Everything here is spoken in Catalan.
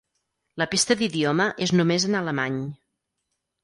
La pista d'idioma és només en alemany.